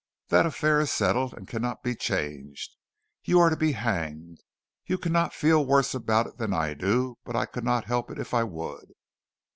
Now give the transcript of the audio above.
"That affair is settled and cannot be changed. You are to be hanged. You cannot feel worse about it than I do; but I could not help it if I would."